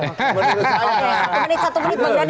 oke satu menit satu menit bang dhani